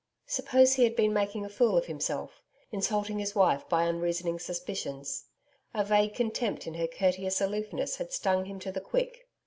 Suppose he had been making a fool of himself insulting his wife by unreasoning suspicions? A vague contempt in her courteous aloofness had stung him to the quick.